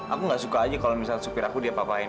aku gak suka aja kalau misal supir aku diapain